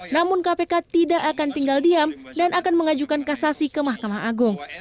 namun kpk tidak akan tinggal diam dan akan mengajukan kasasi ke mahkamah agung